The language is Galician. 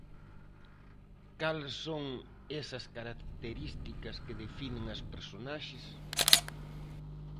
Cales son esas características que definen as personaxes?